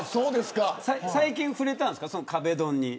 最近、知ったんですか。